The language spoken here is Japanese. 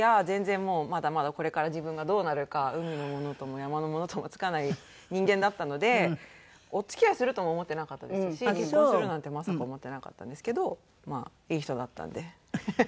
全然もうまだまだこれから自分がどうなるか海のものとも山のものともつかない人間だったのでお付き合いするとも思ってなかったですし結婚するなんてまさか思ってなかったんですけどまあいい人だったんで。